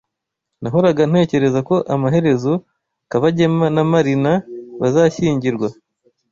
Nahoraga ntekereza ko amaherezo Kabagema na Marina bazashyingirwa.